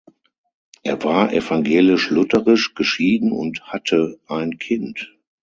Er war evangelisch-lutherisch, geschieden und hatte ein Kind.